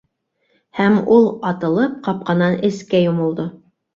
Һәм ул атылып ҡапҡанан эскә йомолдо.